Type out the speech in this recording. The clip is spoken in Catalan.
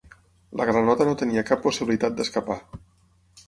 La granota no tenia cap possibilitat d'escapar.